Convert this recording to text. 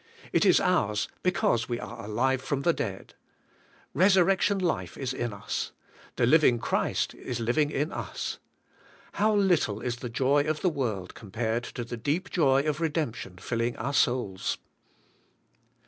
It is ours because we are alive from the dead. Resurrection life is in us. The living Christ is living in us. How little is the joy of the world compared to the deep joy of redemption filling our souls.